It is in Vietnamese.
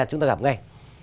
chúng ta gặp ngay